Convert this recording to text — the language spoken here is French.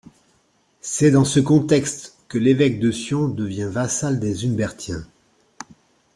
C'est dans ce contexte que l'évêque de Sion devient vassal des Humbertiens.